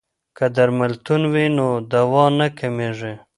که درملتون وي نو دوا نه کمیږي.